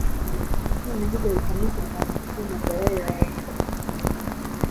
noneho ugahitamo kurwana kubw’amagara yawe